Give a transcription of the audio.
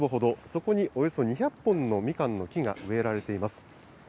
そこにおよそ２００本のみかんの木が植えられています。